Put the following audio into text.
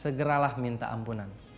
segeralah minta ampunan